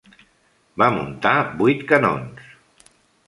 Va muntar vuit canons.